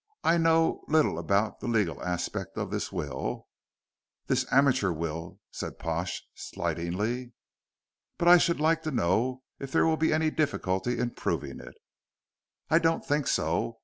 "I know little about the legal aspect of this will" "This amateur will," said Pash, slightingly. "But I should like to know if there will be any difficulty in proving it?" "I don't think so.